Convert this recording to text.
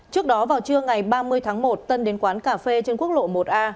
trước đó vào trưa ngày ba mươi tháng một tân đến quán cà phê trên quốc lộ một a